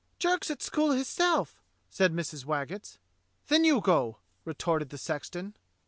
"Jerk's at school hisself," said Mrs. Waggetts. "Then you go," retorted the sexton.